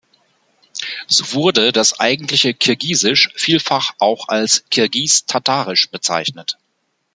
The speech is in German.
So wurde das eigentliche Kirgisisch vielfach auch als „Kirgis-Tatarisch“ bezeichnet.